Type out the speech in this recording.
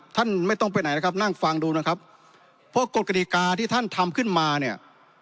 ท่านไม่ต้องไปไหนนะครับนั่งฟังดูนะครับเพราะกฎกฎิกาที่ท่านทำขึ้นมาเนี่ย